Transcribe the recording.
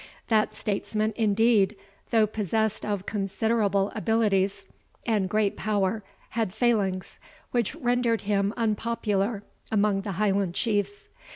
That statesman, indeed, though possessed of considerable abilities, and great power, had failings, which rendered him unpopular among the Highland chiefs.